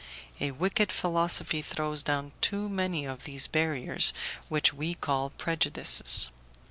A wicked philosophy throws down too many of these barriers which we call prejudices.